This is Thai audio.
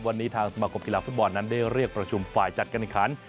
วันนี้ทางสมาคมกีฬาฟุตบอลนั้นได้เรียกประชุมฝ่ายจัดการแข่งขัน